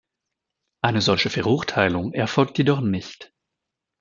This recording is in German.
Eine solche Verurteilung erfolgte jedoch nicht.